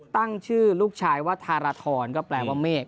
ตั้งชื่อลูกชายว่าธารทรก็แปลว่าเมฆ